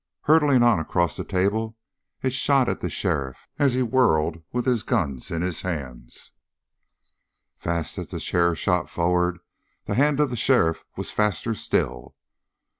Hurtling on across the table it shot at the sheriff as he whirled with his guns in his hands. Fast as the chair shot forward, the hand of the sheriff was faster still.